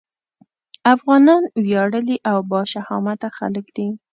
افغانان وياړلي او باشهامته خلک دي.